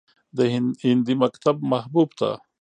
د هندي مکتب محبوب ته